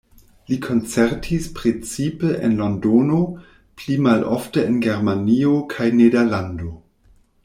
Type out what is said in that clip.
Li koncertis precipe en Londono, pli malofte en Germanio kaj Nederlando.